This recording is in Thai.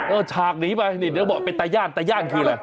ฉากหนีไปนี่เดี๋ยวบอกเป็นตาย่านตาย่านคืออะไร